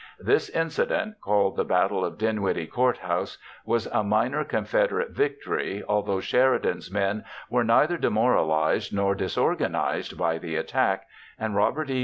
This incident, called the Battle of Dinwiddie Court House, was a minor Confederate victory, although Sheridan's men were neither demoralized nor disorganized by the attack, and Robert E.